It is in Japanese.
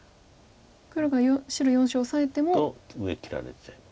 黒が白４子をオサえても。と上切られちゃう。